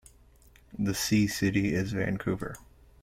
The See city is Vancouver.